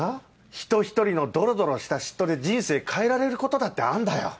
人ひとりのドロドロした嫉妬で人生変えられることだってあんだよ。